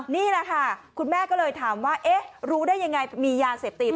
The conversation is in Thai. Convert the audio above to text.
นี่แหละค่ะคุณแม่ก็เลยถามว่าเอ๊ะรู้ได้ยังไงมียาเสพติด